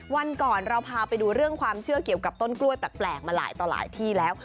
วันก่อนเราพาไปดูเรื่องความเชื่อเกี่ยวกับต้นกล้วยแปลกมาหลายต่อหลายที่แล้ว